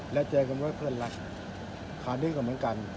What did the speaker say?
แล้วเจอกับรถเพื่อนรักคราวนี้ก็เหมือนกัน